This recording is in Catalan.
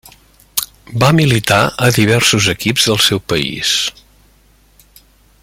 Va militar a diversos equips del seu país.